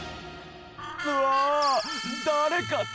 うわ！